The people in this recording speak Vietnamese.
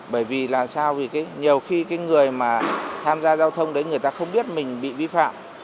bởi vì là sao nhiều khi người mà tham gia giao thông đấy người ta không biết mình bị vi phạm